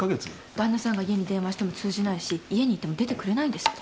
旦那さんが家に電話しても通じないし家に行っても出てくれないんですって。